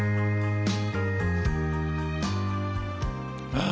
ああ。